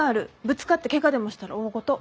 ぶつかってケガでもしたら大ごと。